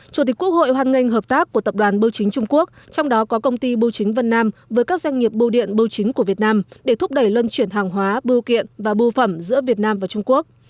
chủ tịch quốc hội hoan nghênh hợp tác của tập đoàn bưu chính trung quốc trong đó có công ty bưu chính vân nam với các doanh nghiệp bưu điện bưu chính của việt nam để thúc đẩy lân chuyển hàng hóa bưu kiện và bưu phẩm giữa việt nam và trung quốc